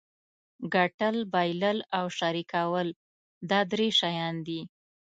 ګټل بایلل او شریکول دا درې شیان دي.